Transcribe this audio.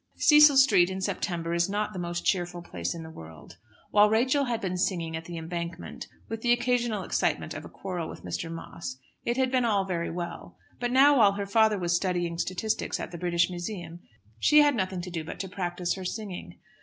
Cecil Street in September is not the most cheerful place in the world. While Rachel had been singing at "The Embankment," with the occasional excitement of a quarrel with Mr. Moss, it had been all very well; but now while her father was studying statistics at the British Museum, she had nothing to do but to practise her singing.